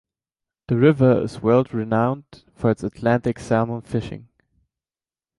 The river is world-renowned for its Atlantic salmon fishing.